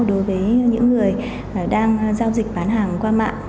đối với những người đang giao dịch bán hàng qua mạng